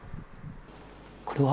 これは？